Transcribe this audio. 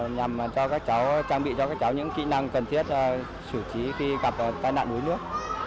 nhằm trang bị cho các cháu những kỹ năng cần thiết sử trí khi gặp tai nạn đuối nước